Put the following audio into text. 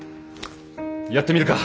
やってみるか！